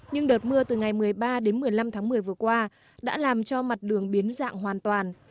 nhưng đợt mưa từ ngày một mươi ba đến một mươi năm tháng một mươi vừa qua đã làm cho mặt đường biến dạng hoàn toàn